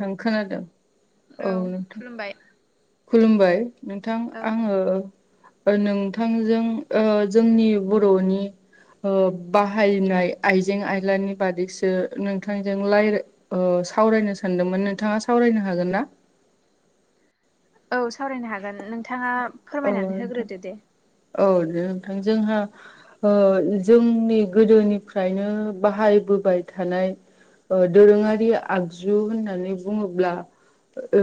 नों खोनादो औ नोंथां खुलुमबाय। नोंथां औ आङो ओ नोंथांजों ओ जोंनि बर'नि ओ बाहायनाय आइजें आयलानि बादैसो नोंथांजों लायराय ओ सावरायनो सानदोमोन नोंथाङा सावरायनो हागोन ना? औ सावरायनो हागोन नोंथाङा औ फोरमायनानै थां होग्रोदो दे औ नोंथां जोंहा ओ जोंनि गोदोनिफ्रायनो बाहायबोबाय थानाय ओ दोरोङारि आगजु होननानै बुङोब्ला ओ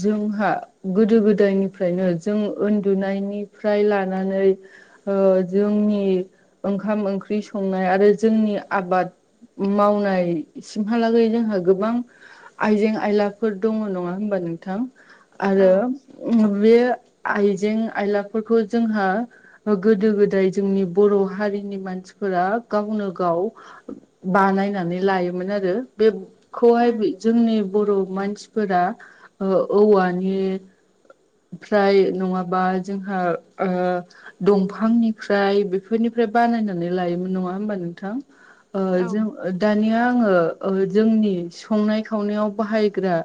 जोंहा गोदो गोदायनिफ्रायनो जों ओन्दुनायनिफ्राय लानानै हो जोंनि ओंखाम ओंख्रि संनाय आरो जोंनि आबाद मावनायसिमहालागै जोंहा गोबां आयजें आयलाफोर दङ नङा होनबा नोंथां औ आरो बे आइजें आयलाफोरखौ जोंहा गोदो गोदाय जोंनि बर' हारिनि मानसिफोरा गावनो गाव बानायनानै लायोमोन आरो बेखौहाय जोंनि बर' मानसिफोरा औवानिफ्राय नङाबा जोंहा दंफांनिफ्राय बेफोरनिफ्राय बानायनानै लायोमोन नङा होमबा नोंथां। औ जों दानिया आङो जोंनि संनाय खावनायाव बाहायग्रा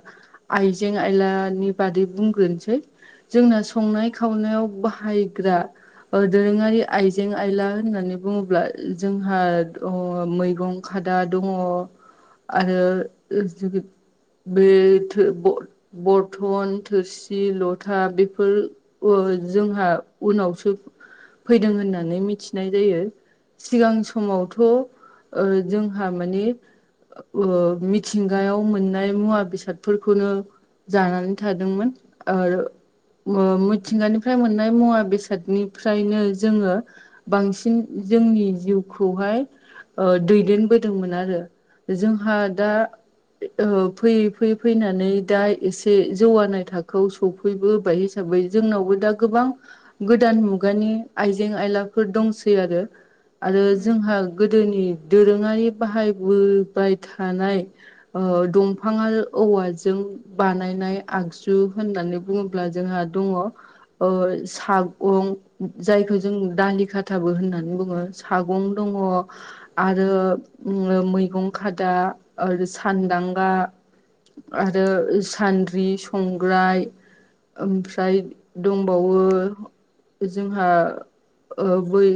आइजें आयलानि बादै बुंग्रोनोसै जोंना संनाय खावनायाव बाहायग्रा दोरोङारि आइजें आयला होननानै बुङोब्ला जोंहा मैगं खादा दङ आरो बे बरथन थोरसि लथा बे फोर जोंहा उनावसो फैदों होननानै मिथिनाय जायो सिगां समावथ' जोंहा माने मिथिंगायाव मोननाय मुवा बेसादफोरखौनो जानानै थादोंमोन आरो मिथिंगानिफ्राय मोननाय मुवा बेसादनिफ्रायनो जोङो बांसिन जोंनि जिउखौहाय दैदेनबोदोंमोन आरो जोंहा दा फैयै फैयै फैनानै दा एसे जौगानाय थाखोआव सफैबो हिसाबै जोंनावबो दा गोबां गोदान मुगानि आइजें आयलाफोर दंसै आरो जोंहा गोदोनि दोरोङारि बाहायबोबाय थानाय दंफाङा औवाजों बानायनाय आगजु होननानै बुङो। अब्ला जोंहा दङ ओ सागं जायखौ जों दालि खाथाबो होननानै बुङो सागं दङ आरो मैगं खादा आरो सानदांगा आरो सान्द्रि संग्राय ओमफ्राय दंबावो जोंहा बै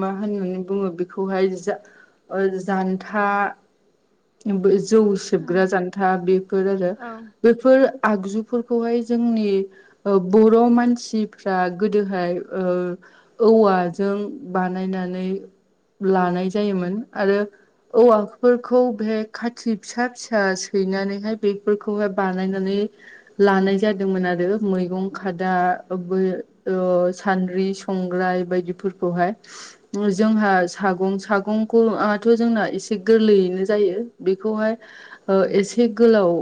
मा होनोनानै बुङो बेखौहाय जा जान्था जौ सेबग्रा जान्था बेफोर आरो औ बेफोर आगजुफोरखौहाय जोंनि बर' मानसिफ्रा गोदोहाय औवाजों बानायनानै लानाय जायोमोन आरो औवाफोरखौ बे खाथि फिसा फिसा सैनानैहाय बेफोरखौहाय बानायनानै लानाय जादोंमोन आरो मैगं खादा बा सानद्रि संग्राय बायदिफोरखौहाय जोंहा सागं सागंखौथ' जोंना एसे गोरलैयैनो जायो बेखौहाय एसे गोलाव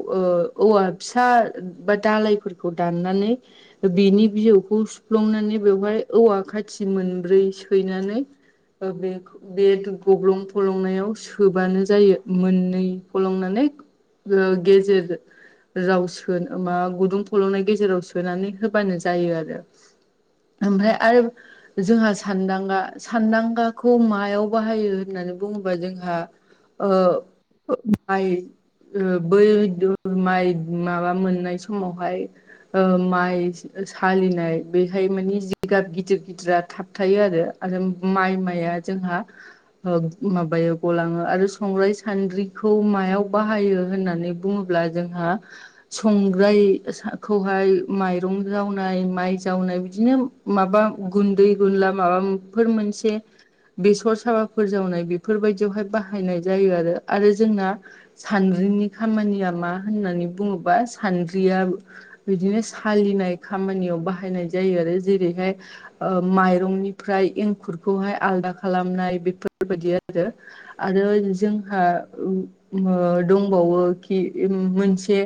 औवा फिसा बा दालायफोरखौ दाननानै बिनि बिजौखौ सुफ्लंनानै बेवहाय औवा खाथि मोनब्रै थैनानै बे गब्लं फलंनायाव सोबानो जायो। मोननै फलंनानै गेजेर गुदुं फलंनाय गेजेराव सोनानै होबानो जायो आरो। ओमफ्राय आरो। जोंहा सानदांगा सानदांगाखौ मायाव बाहायो होननानै बुङोबा जोंहा ओ माइ बै माइ माबा मोननाय समावहाय ओ माइ सालिनाय बेहाय माने जिगाब गिदिर गिदिरा थाबथायो आरो आरो माइ-माइया जों ओ माबायाव गलाङो आरो संग्राय सान्द्रिखौ मायाव बाहायो होननानै बुङोब्ला जोंहा संग्रायखौहाय माइरं जावनाय माइ जावनाय बिदिनो माबा गुन्दै गुनला माबाफोर मोनसे बेसर साबाफोर जावनाय बेफोरबायदियावहाय बाहायनाय जायो आरो आरो जोंना सानद्रिनि खामानिया मा होननानै बुङोबा सानद्रिया बिदिनो सालिनाय खामानियाव बाहायनाय जायो आरो जेरैहाय ओ माइरंनिफ्राय एंखुरखौहाय आलदा खालामनाय बेफोरबायदि आरो। आरो जोंहा ओम ओ दंबावो खि ओम मोनसे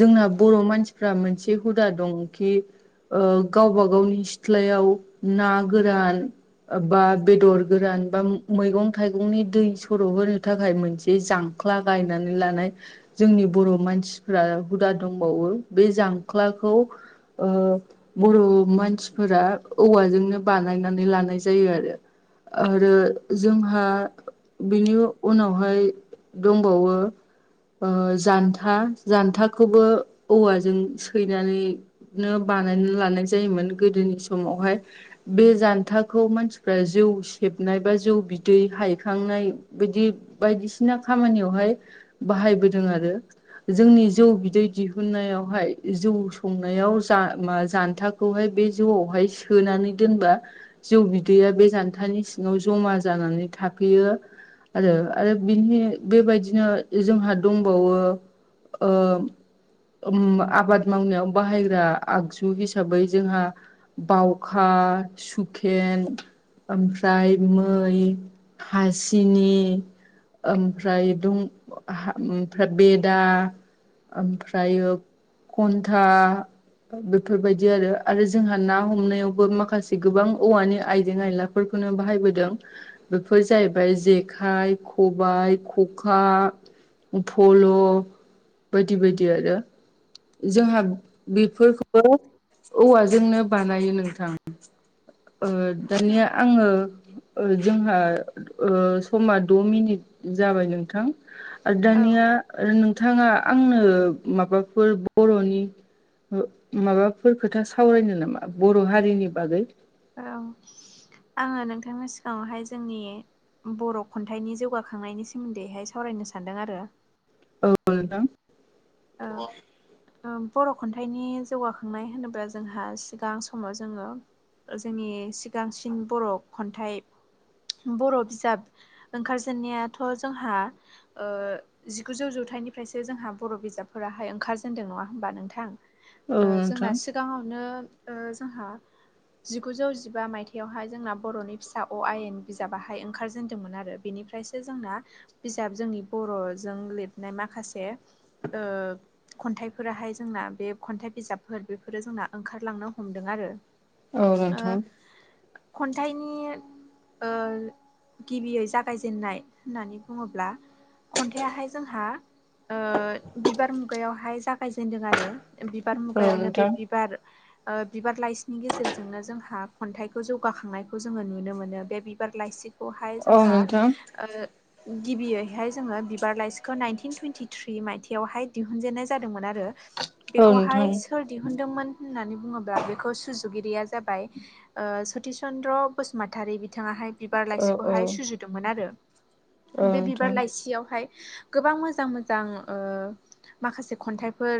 जोंना बर' मानसिफ्रा मोनसे हुदा दंखि ओ गावबा गावनि सिथ्लायाव ना गोरान बा बेदर गोरान बा मैगं थाइगंनि दै सर' होनो थाखाय मोनसे जांख्ला गायनानै लानाय जोंनि बर' मानसिफ्रा हुदा दंबावो बै जांख्लाखौ ओ बर' मानसिफोरा औवाजोंनो बानायनानै लानाय जायो आरो। आरो जोंहा बिनि उनावहाय दंबावो ओ जान्था जान्थाखौबो औवाजों सैनानै नो बानायना लानाय जायोमोन गोदोनि समावहाय बे जान्थाखौ मानसिफ्रा जौ सेबनाय बा जौ बिदै हायखांनाय बिदि बायदिसिना खामानियावहाय बाहायबोदों आरो। जोंनि जौ बिदै दिहुननायावहाय जौ संनायाव जा मा जान्था खौहाय बे जौआवहाय सोनानै दोनबा जौ बिदैया बे जान्थानि सिङाव जमा जानानै थाफैयो आरो। आरो बिनि बेबायदिनो जोंहा दंबावो ओ ओम आबाद मावनायाव बाहायग्रा आगजु हिसाबै जोंहा बावखा सुखेन ओमफ्राय मै हासिनि ओमफ्राय दं हा ओमफ्राय बेदा ओमफ्रायो खन्था बेफोरबायदि आरो आरो जोंहा ना हमनायावबो माखासे गोबां औवानि आइजें आइला फोरखौनो बाहायबोदों बेफोर जाहैबाय जेखाइ खबाइ खखा फल' बायदि बायदि आरो जोंहा बेफोरखौबो औवाजोंनो बानायो नोंथां। ओ दानिया औ आङो ओ जोंहा ओ समा द' मिनिट जाबाय नोंथां आरो दानिया औ ओ नोंथाङा आंनो माबाफोर बर'नि माबाफोर खोथा सावरायनो नामा बर' हारिनि बागै? औ आङो नोंथांनि सिगाङावहाय जोंनि बर' खन्थाइनि जौगाखांनायनि सोमोन्दैहाय सावरायनो सानदों आरो। औ नोंथां। [unintelligible] ओं बर' खन्थाइनि जौगाखांनाय होनोब्ला जोंहा सिगां समाव जोङो ओ जोंनि सिगांसिन बर' खन्थाइ बर' बिजाब ओंखारजेननायाथ' जोंहा ओ जिगुजौ जौथाइनिफ्रायसो जोंहा बर' बिजाब फोराहाय ओंखारदों नङा होनबा नोंथां? औ ओ नोंथां जोंहा सिग गाङावनो ओ जोंहा जिगुजौ जिबा मायथाइावहाय जोंना बर'नि फिसा अ' आयेन बिजाबाहाय ओंखारजेनदोंमोन आरो। बेनिफ्रायसो जोंना बिजाब जोंनि बर'जों लिरनाय माखासे ओ खन्थाइफोराहाय जोंना बे खन्थाइ बिजाबफोर बेफोरो जोंना ओंखारलांनो हमदों आरो। औ ओ नोंथां खन्थाइनि ओ गिबियै जागायजेनन्नाय होननानै बुङोब्ला खन्थाया हाय जोंहा ओ बिबार मुगायावहाय जागायजेनदों आरो। बिबार औ मुगायावनो बे नोंथां बिबार ओ बिबार लाइसिनि गेजेरजोंनो जोंहा खन्थाइखौ जौगाखांनायखौ जोङो नुनो मोनो बे बिबार लाइसि खौहाय औ जोंहा नोंथां ओ गिबियैहाय जोङो बिबार लाइसिखौ नाइनटिन टुइनटिथ्रि माइ यावहाय दिहुनजेननाय जादोंमोन आरो औ बेखौहाय नोंथां सोर दिहुनदोंमोन होननानै बुङोब्ला बेखौ सुजुगिरिया जाबाय सतिस चन्द्र बसुमतारी बिथाङाहाय बिबार औ औ लाइसिखौहाय सुजुदोंमोन आरो। बे बिबार नोंथां लाइसियावहाय गोबां मोजां मोजां ओ माखासे खन्थाइफोर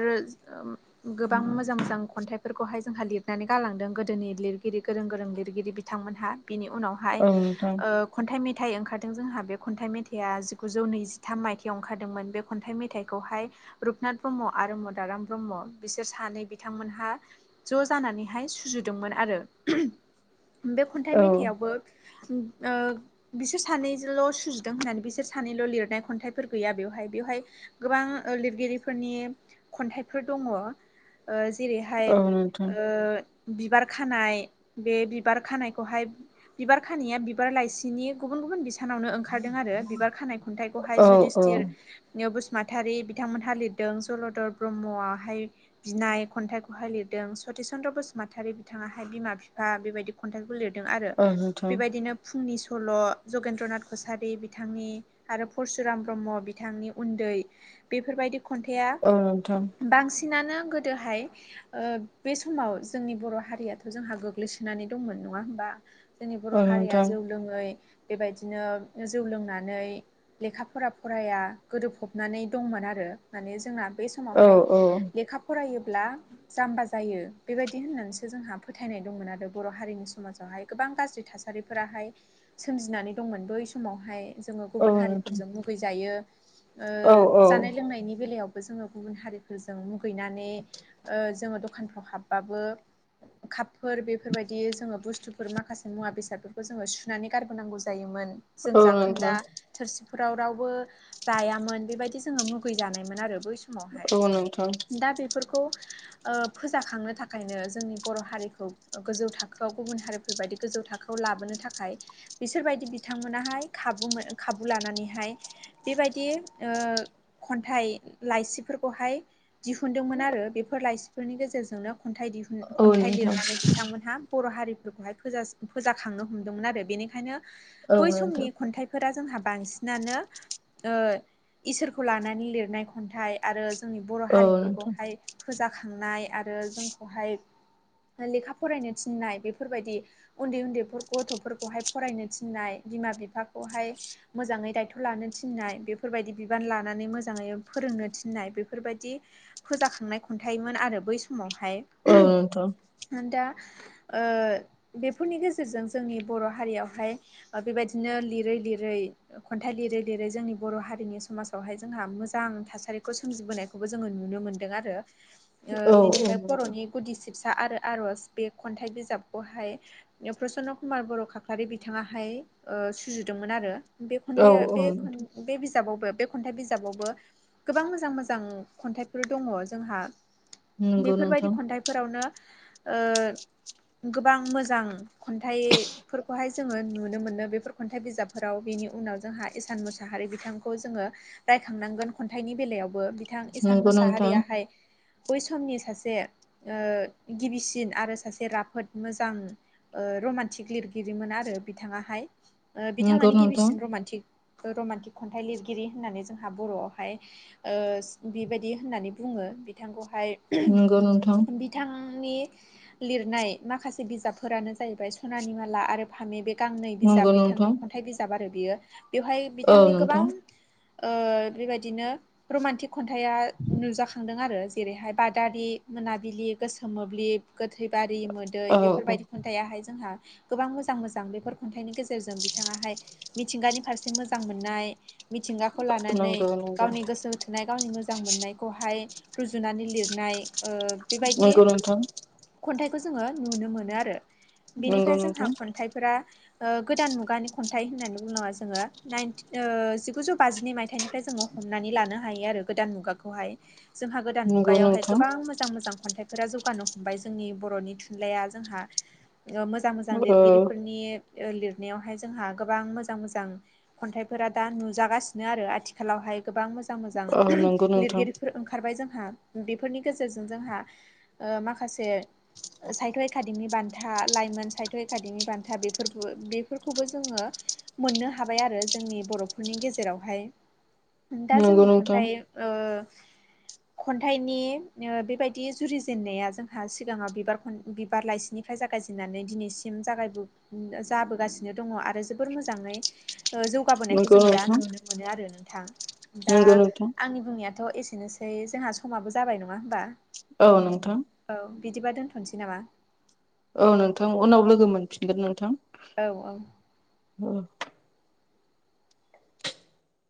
गोबां मोजां मोजां खन्थाइफोरखौहाय जोंहा लिरनानै गालांदों गोदोनि लिरगिरि गोरों गोरों लिरगिरि बि बिथांमोनहा बिनि उनावहाय औ नोंथां ओ खन्थाइ मेथाइ ओंखारदों जोंहा बे खन्थाइ मेथाइआ जिगुजौ नैजिथाम माइथाइयाव ओंखारदोंमोन। बे खन्थाइ मेथाइ थाइखौहाय रुपनाथ ब्रह्म आरो मदाराम ब्रह्म बिसोर सानै बिथांमोनहा ज' जानानैहाय सुजुदोंमोन आरो। बे खन्थाइ औ औ मेथाइआवबो उम ओ बिसोर सानैजोंल' सुजुदों होननानै बिसोर सानैल' लिरनाय खन्थाइफोर गैया बेवहाय। बेवहाय गोबां ओ लिरगिरिफोरनि खन्थाइफोर दङ। ओ जेरैहाय नोंथां ओ बिबार खानाय, बे बिबार खानायखौहाय बिबार खानाया बिबार लाइसिनि गुबुन गुबुन बिसानावनो ओंखारदों आरो। बिबार खानायखौ खन्थाइखौहाय औ औ जुदिस्थिर ओ माथारि बिथांमोनहा लिरदों। जलधर ब्रह्मआहाय बिनाय खन्थाइखौहाय लिरदों। सति चन्द्र बसुमतारि बिथाङाहाय बिमा बिफा बेबायदि खन्थाइखौ लिरदों आरो। औ नोंथां बेबायदिनो फुंनि सल' जगेन्द्रनाथ कसारि बिथांनि आरो परसुराम ब्रह्म बिथांनि उन्दै। बेफोरबायदि खन्थाइआ औ नोंथां बांसिनानो गोदोहाय ओ बे समाव जोंनि बर' हारियाथ' जोंहा गोग्लैसोनानै दंमोन नङा होमबा? जोंनि बर' औ हारिया नोंथां जौ लोङै बेबायदिनो जौ लोंनानै लेखा फरा फराया गोदोफब नानै दंमोन आरो माने जोंना बै औ समावहाय औ लेखा फरायोब्ला जाम्बा जायो बेबायदि होननानैसो जोंहा फोथायनाय दंमोन आरो बर' हारिनि समाजावहाय। गोबां गाज्रि थासारि थासारिफोराहाय सोमजिनानै दंमोन बै समावहाय जोङो औ गुबुन नोंथां हारिफोरजों मुगैजायो। ओ औ औ जानाय लोंनायनि बेलायाव बो जोङो गुबुन हारिफोरजों मुगैनानै जोङो दखानफ्राव हाबबाबो कापफोर बेफोरबायदि जोङो बुस्थुफोर माखासे मुवा बेसादफोरखौ जोङो सुनानै गारबोनांगौ जायोमोन। जों औ जाखोनदा नोंथां थोरसिफोराव रावबो जायामोन बेबायदि जोङो मुगै जानायमोन आरो बै समावहाय। औ नोंथां दा बेफोरखौ ओ फोजाखांनो थाखायनो जोंनि बर' हारिखौ गोजौ थाखोआव गुबुन हारि बेफोरबायदि गोजौ थाखोआव लाबोनो थाखाय बिसोरबायदि बिथांमोनाहाय खाबु खाबु लानानैहाय बेबायदि ओ खन्थाइ लाइसिफोरखौहाय दिहुनदोंमोन आरो बेफोर लाइसिफोरनि गेजेरजोंनो खन्थाइ दिहुन औ खन्थाइ नोंथां लिरनानै बिथांमोनहा बर' हारिफोरखौहाय फोजा फोजाखांनो हमदोंमोन आरो बेनिखायनो औ बै नोंथां समनि खन्थाइफोरा जोंहा बांसिनानो ओ इसोरखौ लानानै लिरनाय खन्थाइ आरो जोंनि बर' औ नोंथां हारिफोरखौहाय फोजाखांनाय आरो जोंखौहाय लेखा फरायनो थिननाय बेफोरबायदि उन्दै उन्दैफोर गथ'फोरखौहाय फरायनो थिननाय बिमा बिफाखौहाय मोजाङै दायथ' लानो थिननाय बेफोरबायदि बिबान लानानै मोजाङै फोरोंनो थिननाय बेफोरबायदि फोजाखांनाय खन्थाइमोन आरो बै समावहाय औ नोंथां दा ओ बेफोरनि गेजेरजों जोंनि बर' हारियावहाय बेबायदिनो लिरै लिरै खन्थाइ लिरै जेरै जोंनि बर' हारिनि समाजावहाय जोंहा मोजां थासारिखौ सोमजिबोनायखौबो जोङो नुनो मोनदों आरो। ओ औ बिनिफ्राय बर'नि गुदि सिबसा आरो आरज बे खन्थाइ बिजाबखौहाय प्रसन्न कुमार बर' खाख्लारि बिथाङाहाय ओ सुजुदोंमोन आरो। बे औ खन्थाइया औ बे खन बे बिजाबावबो बे खन्थाइ बिजाबावबो गोबां मोजां मोजां खन्थाइफोर दङ जोंहा नंगौ बेफोरबायदि नोंथां खन्थाइफोरावनो ओ गोबां मोजां खन्थाइफोरखौहाय जोङो नुनो मोनो बेफोर खन्थाइ बिजाबफोराव बेनि उनाव जोंहा इस इसान मुसाहारि बिथांखौ जोङो रायखांनांगोन खन्थाइनि बेलायावबो। बिथां इसान नंगौ नोंथां मुसाहारियाहाय बै समनि सासे ओ गिबिसिन आरो सासे राफोद मोजां ओ रमान्टिक लिरगिरिमोन आरो बिथाङाहाय नंगौ बिथाङानो नोंथां गिबिसिन रमान्टिक रमान्टिक खन्थाइ लिरगिरि होननानै जोंहा बर'आवहाय ओ बेबायदि होननानै बुङो बिथांखौहाय। नंगौ नोंथां बिथांनि लिरनाय माखासे बिजाबफोरानो जाहैबाय सनानि माला आरो फामे बे गांनै बिजाब नंगौ नोंथां बिथांनि खन्थाइ बिजाब आरो बियो बेवहाय औ बिथांनि गोबां नोंथां ओ बेबायदिनो रमान्टिक खन्थाइआ नुजाखांदों आरो। जेरैहाय बादारि मोनाबिलि गोसोम मोब्लिब गोथैबारि मोदै औ औ बेफोरबायदि खन्थाइ आहाय जोंहा गोबां मोजां मोजां बेफोर खन्थाइनि गेजेरजों बिथाङाहाय मिथिंगानि फारसे मोजां मोननाय मिथिंगाखौ लानानै नंगौ नंगौ गावनि गोसो गावनि मोजां मोननायखौहाय रुजुनानै लिरनाय ओ बेबायदि नंगौ नोंथां खन्थाइखौ जोङो नुनो मोनो आरो नंगौ बेनिफ्राय जोंहा नोंथां खन्थाइफोरा ओ गोदान मुगानि खन्थाइ होननानै बुङोब्ला जोङो नाइन ओ जिगुजौ बाजिनै मायथाइनिफ्राय जोङो हमनानै लानो हायो आरो गोदान मुगाखौहाय। जोंहा गोदान नंगौ मुगायावहाय नोंथां गोबां मोजां मोजां खन्थाइफोरा जौगानो ओमफ्राय जोंनि बर'नि थुनलाइया जोंहा मोजां मोजां औ लिरगिरिफोरनि लिरनायावहाय जोंहा गोबां मोजां मोजां खन्थाइफोरा दा नुजागासिनो आरो आथिखालावहाय गोबां मोजां मोजां औ नंगौ नोंथां लिरगिरिफोर ओंखारबाय जोंहा बेफोरनि गेजेरजों जोंहा ओ माखासे साहित्य एकाडेमि बान था लाइमोन साहित्य एकादेमि बान्था बेफोरखोबो बेफोरखौबो जोङो मोननो हाब बाय आरो जोंनि बर'फोरनि गेजेरावहाय दा नंगौ जोंनि नोंथां खन्थाइ ओ खन्थाइनि ओ बेबायदि जुरिजेननाया जोंहा सिगाङाव बिबार खन बिबार लाइसिनि फ्राय जागायजेननानै दिनैसिम जागायबो जाबोगासिनो दङ आरो जोबोर मोजाङै जौगाबोनायखौ नंगौ जोङो दा नोंथां नुनो मोनो आरो नोंथां दा नंगौ नोंथां आंनि बुंनाया थ' एसेनोसै जोंहा समाबो जाबाय नङा होमबा? औ नोंथां। औ बिदिबा दोनथ'नोसै नामा? औ नोंथां उनाव लोगो मोनफिनगोन नोंथां। औ औ। [unintelligible]